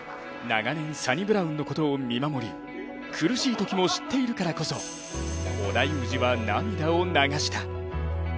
長年サニブラウンのことを見守り苦しいときも知っているからこそ、織田裕二は涙を流した。